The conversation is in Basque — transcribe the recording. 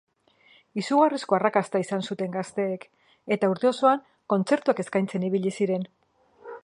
Izugarrizko arrakasta izan zuten gazteek, eta urte osoan kontzertuak eskaintzen ibili ziren.